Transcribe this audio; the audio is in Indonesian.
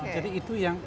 jadi itu yang